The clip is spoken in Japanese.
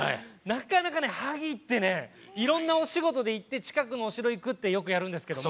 なかなかね萩ってねいろんなお仕事で行って近くのお城行くってよくやるんですけども。